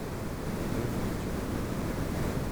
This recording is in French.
Bonne lecture.